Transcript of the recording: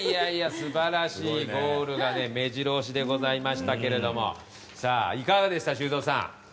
素晴らしいゴールが目白押しでございましたがいかがでしたか修造さん。